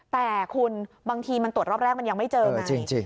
แต่คุณบางทีมันตรวจรอบแรกมันยังไม่เจอไง